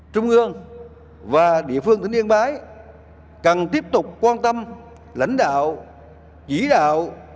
trung ương và địa phương tỉnh yên bái cần tiếp tục quan tâm lãnh đạo chỉ đạo